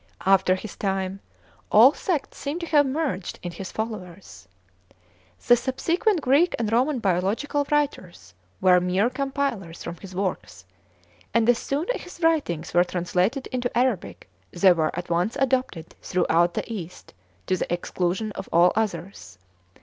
After his time all sects seem to have merged in his followers. The subsequent Greek and Roman biological writers were mere compilers from his works, and as soon as his writings were translated into Arabic they were at once adopted throughout the East to the exclusion of all others.